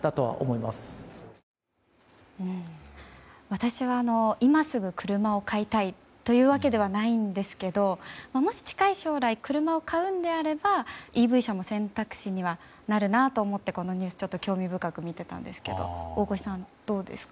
私は今すぐ車を買いたいというわけではないんですけどもし近い将来車を買うのであればＥＶ車も選択肢にはなるなと思ってこのニュースを興味深く見ていたんですが大越さんはどうですか？